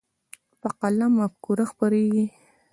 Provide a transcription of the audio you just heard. په قلم مفکوره خپرېږي.